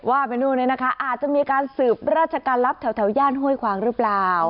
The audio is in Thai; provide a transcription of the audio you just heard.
ว่าไปนู่นเนี่ยนะคะอาจจะมีการสืบราชการลับแถวย่านห้วยขวางหรือเปล่า